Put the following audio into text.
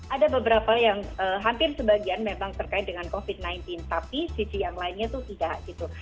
ada beberapa yang hampir sebagian memang terkait dengan covid sembilan belas tapi sisi yang lainnya itu tidak gitu